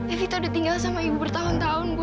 evita udah tinggal sama ibu bertahun tahun bu